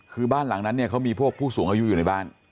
คือบ้านหลังนั้นเนี่ยเขามีพวกผู้สูงอายุอยู่ในบ้าน